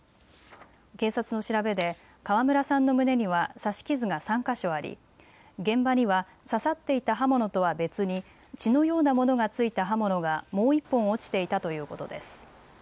警察の調べで川村さんの胸には刺し傷が３か所あり現場には刺さっていた刃物とは別に血のようなものが付いた刃物がもう１本落ちていたということです。